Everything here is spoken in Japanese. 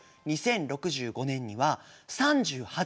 ２０６５年には３８．４％。